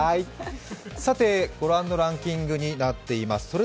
さて御覧のランキングになっています。